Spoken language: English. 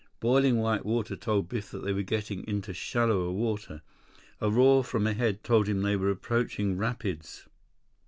Boiling white water told Biff that they were getting into shallower water. A roar from ahead told him they were approaching rapids.